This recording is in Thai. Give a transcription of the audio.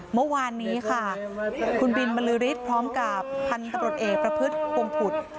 เมื่อวานนี้ค่ะคุณบิลบรรลือริตพร้อมกับพันธุ์ตำรวจเอกประพฤติปวงพุทธ์